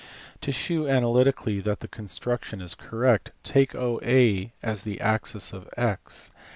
To shew analytically that the construction is correct, take OA as the axis of a?